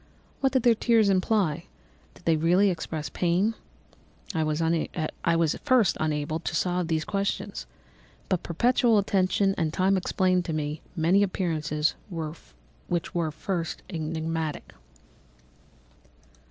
What did their tears imply? Did they really express pain? I was at first unable to solve these questions, but perpetual attention and time explained to me many appearances which were at first enigmatic.